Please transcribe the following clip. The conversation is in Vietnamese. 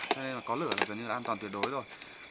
cho nên là có lửa là gần như là an toàn tuyệt đối rồi